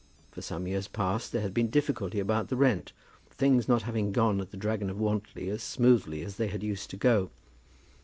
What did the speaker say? For some years past there had been a difficulty about the rent, things not having gone at "The Dragon of Wantly" as smoothly as they had used to go.